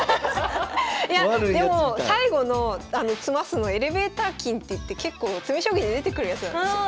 いやでも最後の詰ますのっていって結構詰将棋で出てくるやつなんですよ。